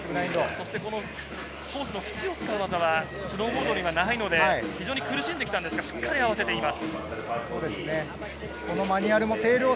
コースの縁を使う技はスノーボードにはないので、非常に苦しんできたんですが、しっかり合わせています。